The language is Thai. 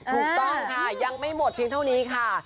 ถูกต้องค่ะยังไม่หมดเพียงเท่านี้ค่ะ